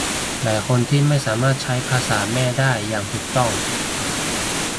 หลายคนที่ไม่สามารถใช้ภาษาแม่ได้อย่างถูกต้อง